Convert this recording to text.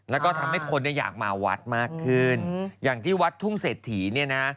แล้วก็ทำให้คนเนี่ยอยากมาวัดมากขึ้นอย่างที่วัดทุ่งเศรษฐีเนี่ยนะ